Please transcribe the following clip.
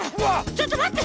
ちょっとまって。